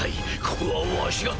ここはわしが。